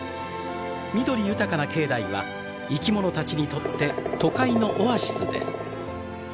緑豊かな境内は生き物たちにとって都会のオアシスです。